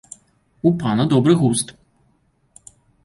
У пана добры густ.